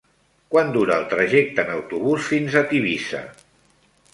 Quant dura el trajecte en autobús fins a Tivissa?